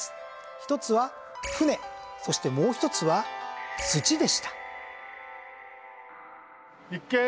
一つは船そしてもう一つは土でした。